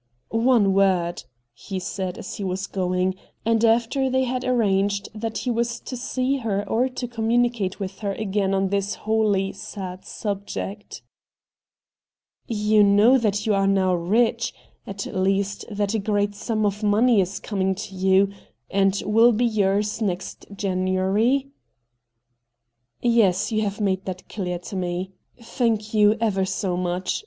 ' One word,' he said, as he was going, and after they had arranged that he was to see her or to communicate with her again on this wholly sad subject ; 'you know that you are now rich — at least that a great sum of money is coming to you, and will be yours next January ?'' Yes ; you have made that clear to me. Thank you, ever so much.